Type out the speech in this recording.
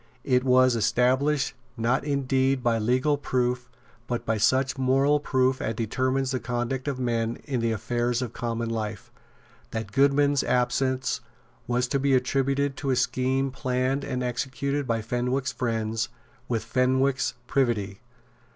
It was established, not indeed by legal proof, but by such moral proof as determines the conduct of men in the affairs of common life, that Goodman's absence was to be attributed to a scheme planned and executed by Fenwick's friends with Fenwick's privity.